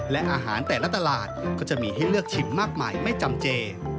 และอาหารแต่ละตลาดก็จะมีให้เลือกชิมมากมายไม่จำเจ